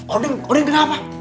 odeng odeng kenapa